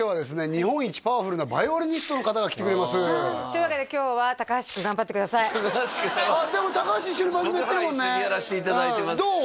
日本一パワフルなヴァイオリニストの方が来てくれますというわけで今日は高橋君頑張ってくださいあっでも高橋一緒に番組やってるもんね一緒にやらせていただいてますどう？